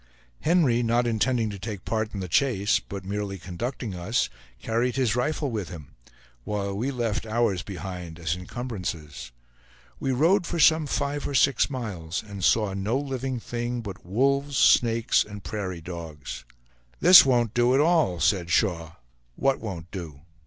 Henry, not intending to take part in the chase, but merely conducting us, carried his rifle with him, while we left ours behind as incumbrances. We rode for some five or six miles, and saw no living thing but wolves, snakes, and prairie dogs. "This won't do at all," said Shaw. "What won't do?"